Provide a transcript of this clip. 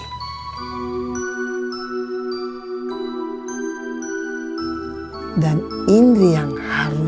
ya gitu ketawa maria